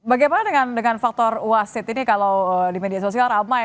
bagaimana dengan faktor wasit ini kalau di media sosial ramai